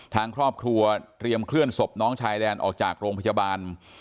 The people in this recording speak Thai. ทางครอบครัวเตรียมเคลื่อนศพน้องชายแดนออกจากโรงพยาบาล